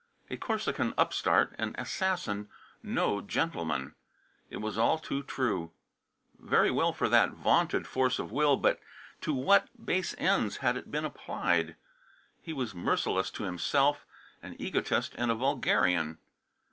A Corsican upstart, an assassin, no gentleman! It was all too true. Very well, for that vaunted force of will, but to what base ends had it been applied! He was merciless to himself, an egotist and a vulgarian.